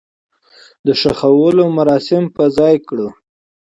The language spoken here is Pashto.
د خښولو مراسم په ځاى کړو.